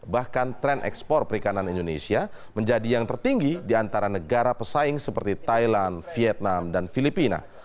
bahkan tren ekspor perikanan indonesia menjadi yang tertinggi di antara negara pesaing seperti thailand vietnam dan filipina